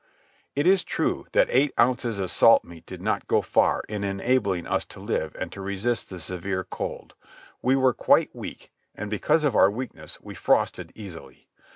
It is true that eight ounces of salt meat did not go far in enabling us to live and to resist the severe cold. We were quite weak, and, because of our weakness, we frosted easily.